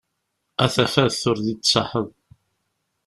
A tafat ur d i-d-tṣaḥeḍ.